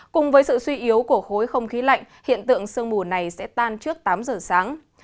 cùng với sự suy yếu của khối không khí lạnh hiện tượng sương mù này sẽ tan trước tám giờ sáng